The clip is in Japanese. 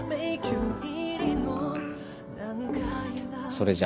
それじゃ。